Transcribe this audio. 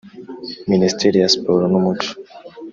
Minisiteri ya Siporo numuco